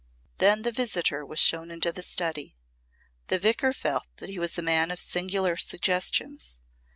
Then the visitor was shown into the study. The Vicar felt that he was a man of singular suggestions.